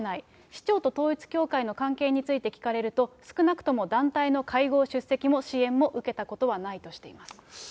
市長と統一教会の関係について聞かれると、少なくとも団体の会合出席も支援も受けたことはないとしています。